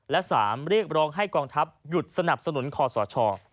และ๓เรียกร้องให้กองทัพหยุดสนับสนุนคอสช